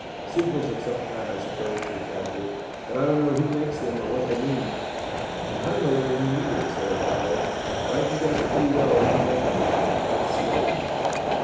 "Signals of some kind, I suppose," replied Dick, "but I don't know who makes them or what they mean." "I don't know what they mean, either," said Ohio; "but I can guess pretty well who's making them. That's Slade."